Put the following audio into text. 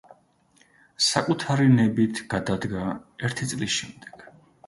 საკუთარი ნებით გადადგა ერთი წლის შემდეგ.